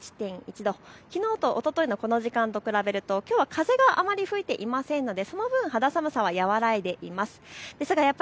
きのう、おとといのこの時間と比べるときょうは風があまり吹いていませんのでその分、寒さは和らいでいます。